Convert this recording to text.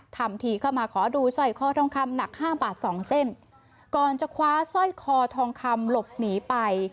ทำทีเข้ามาขอดูสร้อยคอทองคำหนักห้าบาทสองเส้นก่อนจะคว้าสร้อยคอทองคำหลบหนีไป